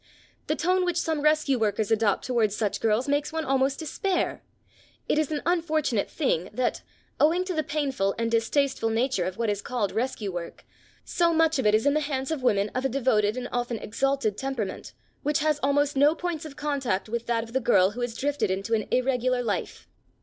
The tone which some rescue workers adopt towards such girls makes one almost despair. It is an unfortunate thing that, owing to the painful and distasteful nature of what is called rescue work, so much of it is in the hands of women of a devoted and often exalted temperament, which has almost no points of contact with that of the girl who has drifted into an irregular life.